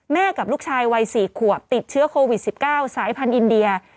กับลูกชายวัย๔ขวบติดเชื้อโควิด๑๙สายพันธุ์อินเดีย